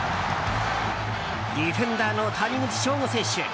ディフェンダーの谷口彰悟選手。